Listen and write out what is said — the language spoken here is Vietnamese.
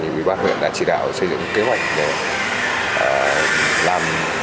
quý bác huyện đã chỉ đạo xây dựng kế hoạch để làm